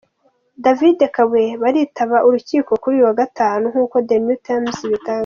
David Kabuye, baritaba urukiko kuri uyu wa Gatanu nk’uko The New Times ibitangaza.